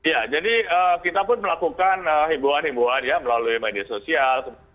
ya jadi kita pun melakukan himbuan himbuan ya melalui media sosial